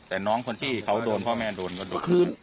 แต่น้องคนที่เขาโดนพ่อแม่โดนก็โดนคืน